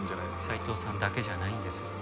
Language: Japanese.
斉藤さんだけじゃないんです。